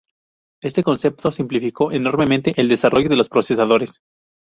Este concepto simplificó enormemente el desarrollo de los procesadores.